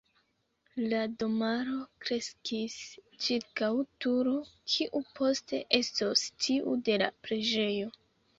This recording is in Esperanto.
La domaro kreskis ĉirkaŭ turo, kiu poste estos tiu de la preĝejo.